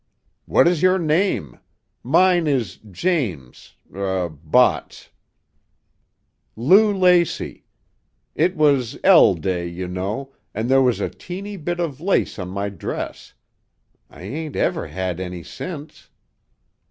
"What is your name? Mine is James er Botts." "Lou Lacey. It was 'L' day, you know, an' there was a teeny bit of lace on my dress. I ain't ever had any since."